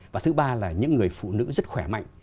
và thứ ba là những người phụ nữ rất khỏe mạnh